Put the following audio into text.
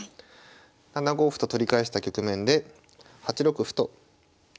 ７五歩と取り返した局面で８六歩と突いてきました。